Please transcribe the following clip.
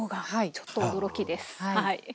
ちょっと驚きです。